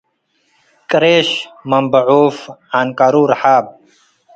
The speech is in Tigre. ቅሬሽ መምበ ዖፍ - ዐንቀሩ ረሓብ